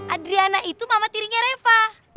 adriana itu mama tirinya reva